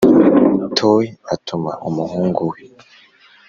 Toyi atuma umuhungu we